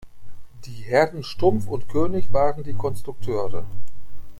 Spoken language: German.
Die Herren Stumpf und König waren die Konstrukteure.